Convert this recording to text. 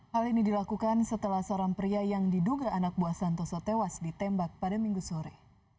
hal ini dilakukan setelah seorang pria yang diduga anak buah santoso tewas ditembak pada minggu sore